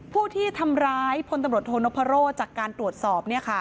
ผู้ที่ทำร้ายพลตำรวจโทนพโรธจากการตรวจสอบ